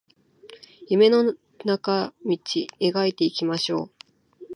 夢の中道描いていきましょう